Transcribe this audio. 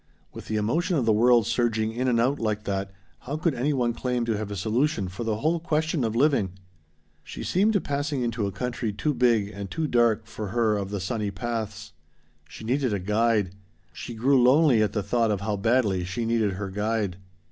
With the emotion of the world surging in and out like that how could any one claim to have a solution for the whole question of living? She seemed passing into a country too big and too dark for her of the sunny paths. She needed a guide. She grew lonely at thought of how badly she needed her guide.